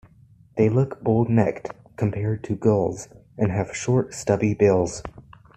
They look bull-necked compared to gulls, and have short stubby bills.